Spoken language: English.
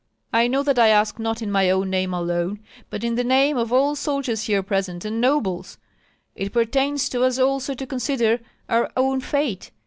I know that I ask not in my own name alone, but in the names of all soldiers here present and nobles. It pertains to us also to consider our own fate.